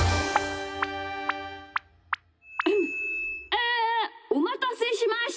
えおまたせしました。